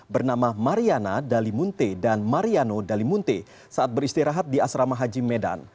bernama mariana dalimunte dan mariano dalimunte saat beristirahat di asrama haji medan